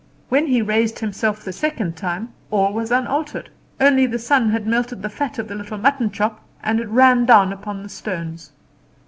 When he raised himself the second time all was unaltered. Only the sun had melted the fat of the little mutton chop, and it ran down upon the stones.